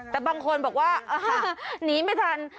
แต่บางคนบอกว่าหนีไม่ทัน